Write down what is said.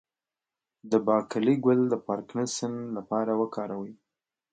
د باقلي ګل د پارکنسن لپاره وکاروئ